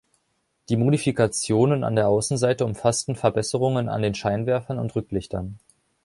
Die Modifikationen an der Außenseite umfassten Verbesserungen an den Scheinwerfern und Rücklichtern.